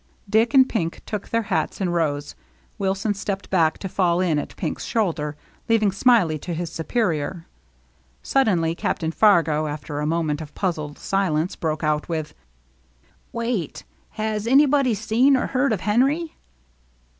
Dick and Pink took their hats and rose. Wilson stepped back to fall in at Pink's shoulder, leaving Smiley to his superior. Sud denly Captain Fargo, after a moment of puz zled silence, broke out with, " Wait — has anybody seen or heard of Henry